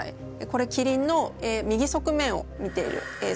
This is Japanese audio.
これキリンの右側面を見ているえい